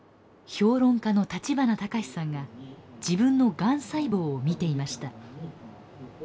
評論家の立花隆さんが自分のがん細胞を見ていました。